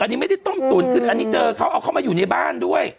อันนี้ไม่ได้ต้มตุ๋นคืออันนี้เจอเขาเอาเข้ามาอยู่ในบ้านด้วย